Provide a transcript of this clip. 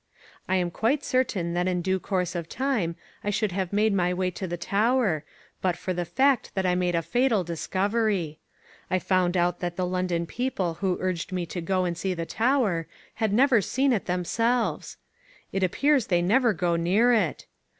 I am quite certain that in due course of time I should have made my way to the Tower but for the fact that I made a fatal discovery. I found out that the London people who urged me to go and see the Tower had never seen it themselves. It appears they never go near it.